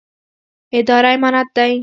اداره امانت دی